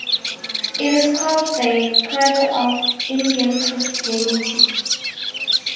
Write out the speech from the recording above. It is called the "cradle of Indian Christianity".